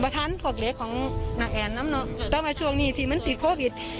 ตั้งความช่วงนี้ที่มันติดโควิด